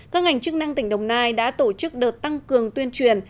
các ngành chức năng tỉnh đồng nai đã tổ chức đợt tăng cường tuyên truyền